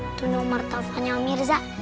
itu nomer teleponnya om mirza